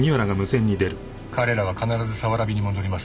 彼らは必ず早蕨に戻ります。